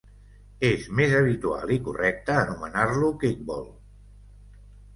És més habitual, i correcte, anomenar-lo kickball.